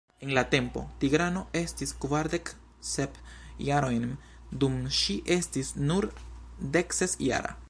En la tempo, Tigrano estis kvardek sep jarojn dum ŝi estis nur dekses jara.